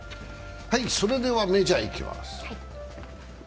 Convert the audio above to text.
それではメジャーいきます。